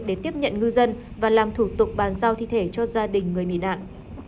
để tiếp nhận ngư dân và làm thủ tục bàn giao thi thể cho gia đình người bị nạn